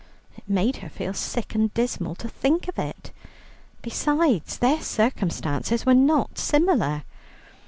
It made her feel sick and dismal to think of it. Besides, their circumstances were not similar.